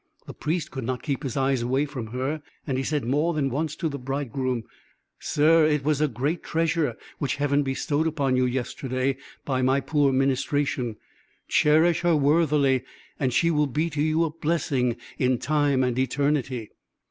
The Priest could not keep his eyes away from her, and he said more than once to the bridegroom, "Sir, it was a great treasure which Heaven bestowed upon you yesterday, by my poor ministration; cherish her worthily, and she will be to you a blessing in time and eternity."